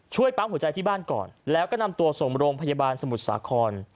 ปั๊มหัวใจที่บ้านก่อนแล้วก็นำตัวส่งโรงพยาบาลสมุทรสาคร